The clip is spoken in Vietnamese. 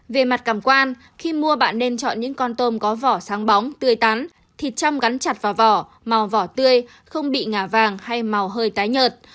về mặt cảm quan khi mua bạn nên chọn những con tôm có vỏ sáng bóng tươi tắn thịt trăm gắn chặt vào vỏ màu vỏ tươi không bị ngả vàng hay màu hơi tái nhợt